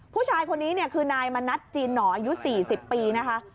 ผู้ชายคนนี้เนี่ยคือไนนายมนัฏจีนหน่อยูสี่สิบปีนะคะ